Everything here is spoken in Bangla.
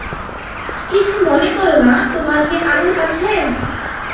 কিছু মনে কোরো না, তোমার কি আঙ্গুল আছে?